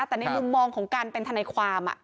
แต่ในมุมมองของการเป็นทนายความ